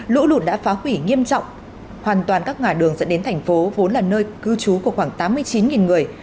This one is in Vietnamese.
lũ lụt đã phá hủy nghiêm trọng hoàn toàn các ngả đường dẫn đến thành phố vốn là nơi cư trú của khoảng tám mươi chín người